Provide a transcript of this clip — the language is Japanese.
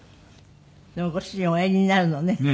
でもご主人はおやりになるのね。